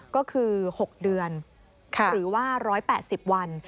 ก็คือ๖เดือนหรือว่า๑๘๐วัน